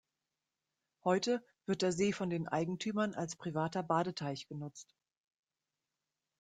Heute wird der See von den Eigentümern als privater Badeteich genutzt.